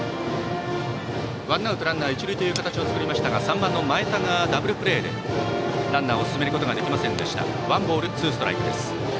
ワンアウトランナー、一塁という形を作りましたが３番の前田がダブルプレーでランナーを進めることができませんでした。